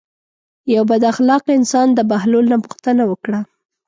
یو بد اخلاقه انسان د بهلول نه پوښتنه وکړه.